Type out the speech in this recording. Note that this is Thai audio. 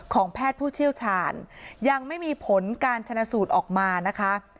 แพทย์ผู้เชี่ยวชาญยังไม่มีผลการชนะสูตรออกมานะคะ